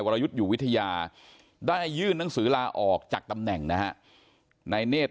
รยุทธ์อยู่วิทยาได้ยื่นหนังสือลาออกจากตำแหน่งนะฮะนายเนธ